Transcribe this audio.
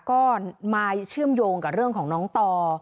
ก็มาเชื่อมโยงกับเรื่องของน้องต่อ